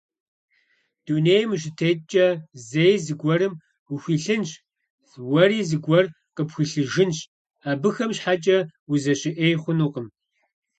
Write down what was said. Дунейм ущытеткӀэ, зэи зыгуэрым ухуилъынщ, уэри зыгуэр къыпхуилъыжынщ - абыхэм щхьэкӀэ узэщыӀей хъунукъым.